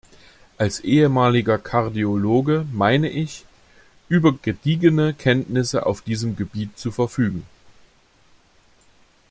Als ehemaliger Kardiologe meine ich, über gediegene Kenntnisse auf diesem Gebiet zu verfügen.